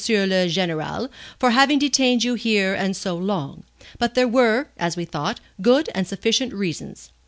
le Général, for having detained you here and so long. But there were, as we thought, good and sufficient reasons.